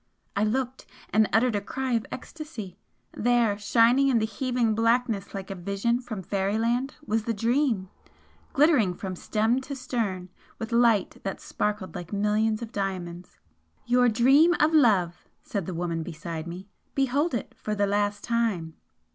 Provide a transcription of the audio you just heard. I looked, and uttered a cry of ecstasy there, shining in the heaving blackness like a vision from fairyland, was the 'Dream' glittering from stem to stern with light that sparkled like millions of diamonds! "Your Dream of Love!" said the woman beside me "Behold it for the last time!"